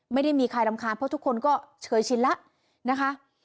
ไม่ได้มีใครรำคาญเพราะทุกคนก็เฉยชินแล้วนะคะ